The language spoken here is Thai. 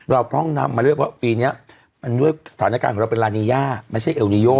พร่องนำมาเลือกว่าปีนี้มันด้วยสถานการณ์ของเราเป็นลานีย่าไม่ใช่เอลนิโย